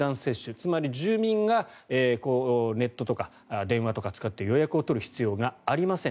つまり住民がネットとか電話とかを使って予約を取る必要がありません。